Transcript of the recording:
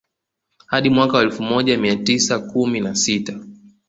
Hadi mwaka wa elfu moja mia tisa kumi na sita